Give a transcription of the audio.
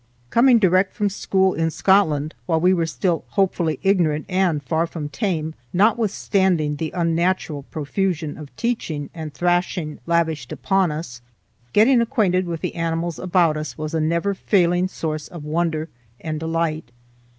Coming direct from school in Scotland while we were still hopefully ignorant and far from tame,—notwithstanding the unnatural profusion of teaching and thrashing lavished upon us,—getting acquainted with the animals about us was a never failing source of wonder and delight.